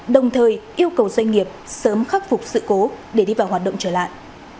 đồng thời yêu cầu doanh nghiệp sớm khắc phục sự cố để đi vào hoạt động trở lại